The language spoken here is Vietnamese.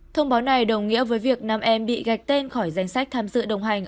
thông báo này đồng nghĩa với việc nam em bị gạch tên khỏi danh sách tham dự đồng hành